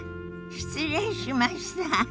失礼しました。